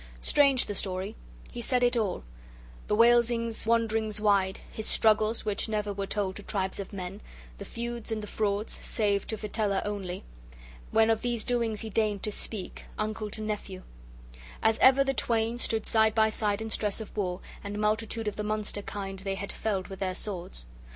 Strange the story: he said it all, the Waelsing's wanderings wide, his struggles, which never were told to tribes of men, the feuds and the frauds, save to Fitela only, when of these doings he deigned to speak, uncle to nephew; as ever the twain stood side by side in stress of war, and multitude of the monster kind they had felled with their swords.